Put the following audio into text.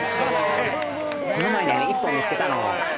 この前一本見つけたの。